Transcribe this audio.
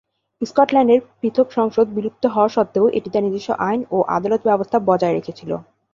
স্কটল্যান্ডের পৃথক সংসদ বিলুপ্ত হওয়া সত্ত্বেও, এটি তার নিজস্ব আইন ও আদালত ব্যবস্থা বজায় রেখেছিল।